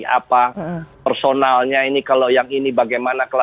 apa personalnya ini kalau yang ini bagaimana